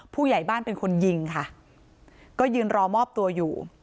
ผู้ใหญ่บ้านเป็นคนยิงค่ะก็ยืนรอมอบตัวอยู่